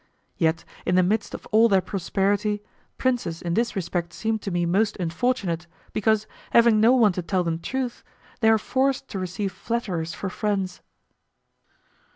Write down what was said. Yet in the midst of all their prosperity, princes in this respect seem to me most unfortunate, because, having no one to tell them truth, they are forced to receive flatterers for friends.